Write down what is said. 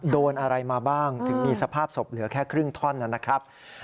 โดนอะไรมาบ้างถึงมีสภาพศพเหลือแค่ครึ่งท่อนนะครับ